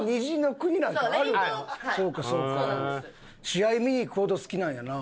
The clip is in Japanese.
試合見に行くほど好きなんやな。